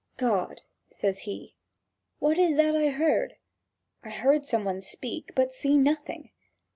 "God," says he, "what is that I heard? I heard some one speak, but see nothing!